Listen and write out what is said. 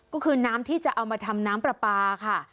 ก็คือน้ำที่จะเอามาทำน้ำปลาปลาค่ะ